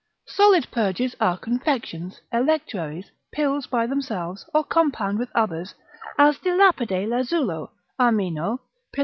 Solid purges are confections, electuaries, pills by themselves, or compound with others, as de lapide lazulo, armeno, pil.